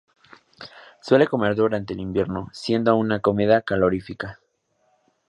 Se suele comer durante el invierno, siendo una comida calorífica.